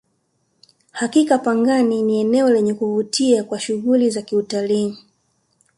hakika pangani ni eneo lenye kuvutia kwa shughuli za utalii